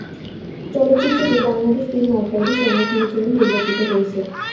চলচ্চিত্রটি বাংলাদেশ ফিল্ম আর্কাইভে সংরক্ষণের জন্য নির্বাচিত হয়েছে।